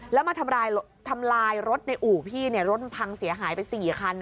แล้วมาทำลายรถในอู่พี่รถมันพังเสียหายไป๔คัน